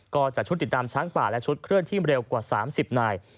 ก็จัดชุดติดตามช้างป่าและชุดเคลื่อนที่เร็วกว่า๓๐นาย